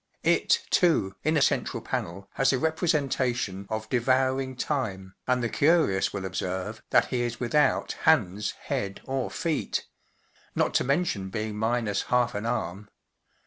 It, too, in a central panel, has a representation of “Devouring Time/* and the curious will observe that he is without hands, head, or feet—not to mention being minus half an arm.